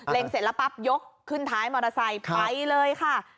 เสร็จแล้วปั๊บยกขึ้นท้ายมอเตอร์ไซค์ไปเลยค่ะ